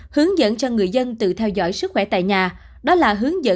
hướng dẫn cho người dân tự theo dõi sức khỏe tại nhà